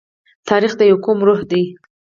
تاریخ د یوه قوم روح دی.